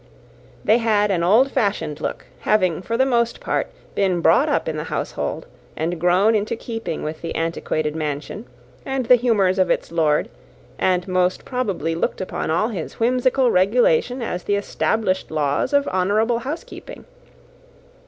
They had an old fashioned look; having, for the most part, been brought up in the household, and grown into keeping with the antiquated mansion, and the humours of its lord; and most probably looked upon all his whimsical regulations as the established laws of honourable housekeeping.